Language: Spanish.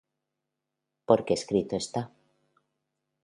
Porque escrito está: